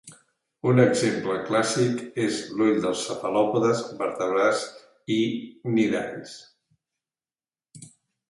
Un exemple clàssic és l'ull dels cefalòpodes, vertebrats i cnidaris.